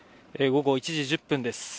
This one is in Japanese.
午後１時１０分です。